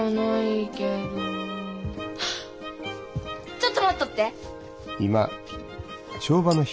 ちょっと待っとって。